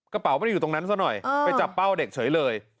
ไม่ได้อยู่ตรงนั้นซะหน่อยไปจับเป้าเด็กเฉยเลย